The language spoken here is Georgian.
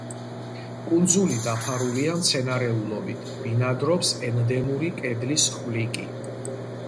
კუნძული დაფარულია მცენარეულობით, ბინადრობს ენდემური კედლის ხვლიკი.